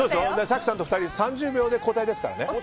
早紀さんと２人３０秒で交代ですからね。